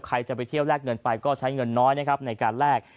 ใครจะไปเที่ยวแลกเงินไปก็ใช้เงินน้อยนะครับในการแลก